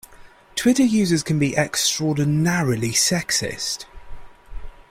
Twitter users can be extraordinarily sexist